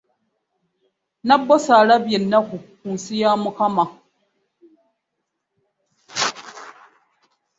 Nabbosa alabye ennaku ku nsi ya Mukama!